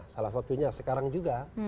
salah satunya sekarang juga